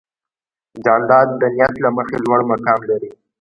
جانداد د نیت له مخې لوړ مقام لري.